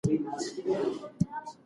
هر بشري واقعیت له دوو برخو جوړ سوی دی.